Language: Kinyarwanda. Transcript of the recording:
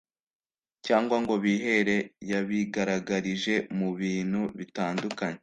cyangwa ngo bihere yabigaragarije mu bintu bitandukanye.